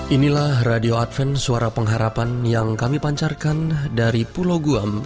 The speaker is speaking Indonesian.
inilah radio adven suara pengharapan yang kami pancarkan dari pulau guam